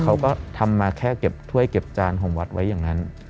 เขาก็ทำมาแค่เก็บถ้วยเก็บจานของวัดไว้อย่างนั้น